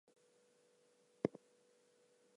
You don’t want me to meet him?